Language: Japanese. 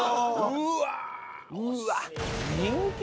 うわ！